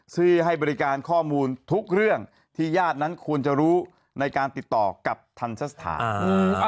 ให้บริการข้อมูลทุกเรื่องที่ญาตินั้นควรจะรู้ในการติดต่อกับทันสถาน